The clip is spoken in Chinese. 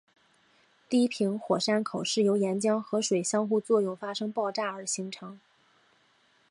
低平火山口是由岩浆和水相互作用发生爆炸而形成。